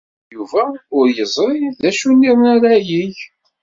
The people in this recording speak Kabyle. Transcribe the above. Yuba ur yeẓri d acu niḍen ara yeg.